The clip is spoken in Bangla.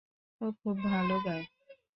ও খুব ভালো গায়।